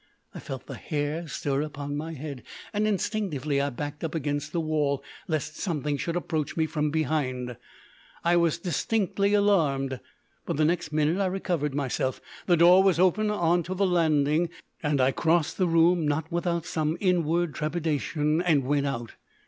I felt the hair stir upon my head, and instinctively I backed up against the wall, lest something should approach me from behind. I was distinctly alarmed. But the next minute I recovered myself. The door was open on to the landing, and I crossed the room, not without some inward trepidation, and went out.